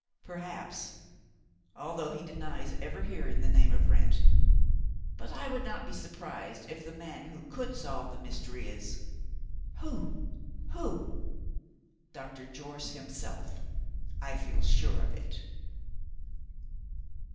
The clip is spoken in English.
"Perhaps, although he denies ever hearing the name of Wrent. But I would not be surprised if the man who could solve the mystery is " "Who? who?" "Doctor Jorce himself. I feel sure of it."